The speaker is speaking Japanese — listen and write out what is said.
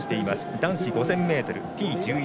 男子５０００ｍＴ１１